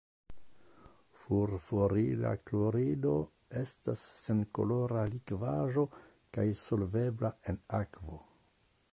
Furfurila klorido estas senkolora likvaĵo kaj solvebla en akvo.